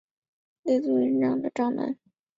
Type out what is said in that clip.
足利政氏的长男。